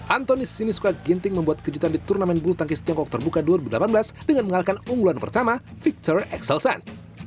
antoni sinisuka ginting membuat kejutan di turnamen bulu tangkis tiongkok terbuka dua ribu delapan belas dengan mengalahkan unggulan pertama victor excelson